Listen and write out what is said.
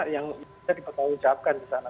yang bisa dipertanggungjawabkan di sana